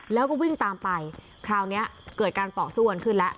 แล้วก็วิ่งตามไปคราวนี้เกิดการต่อสู้กันขึ้นแล้ว